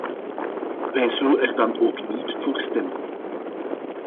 Wij zullen er dan ook niet voor stemmen.